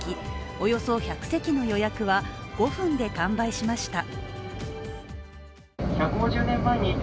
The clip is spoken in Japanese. およそ１００席の予約は５分で完売しました。